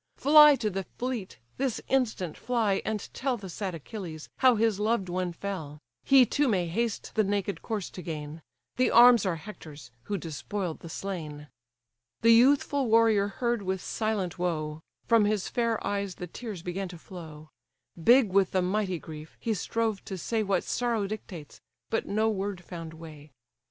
Fly to the fleet, this instant fly, and tell The sad Achilles, how his loved one fell: He too may haste the naked corse to gain: The arms are Hector's, who despoil'd the slain." The youthful warrior heard with silent woe, From his fair eyes the tears began to flow: Big with the mighty grief, he strove to say What sorrow dictates, but no word found way.